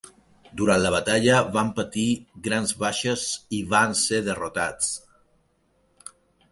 Durant la batalla van patir grans baixes i van ser derrotats.